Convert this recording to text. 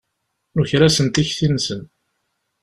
Nuker-asen tikti-nsen.